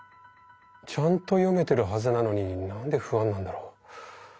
ちゃんと読めてるはずなのに何で不安なんだろう。